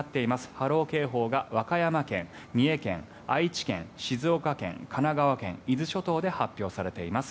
波浪警報が和歌山県、三重県、愛知県静岡県、神奈川県、伊豆諸島で発表されています。